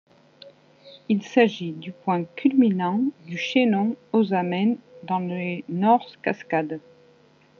Il s'agit du point culminant du chaînon Hozameen, dans les North Cascades.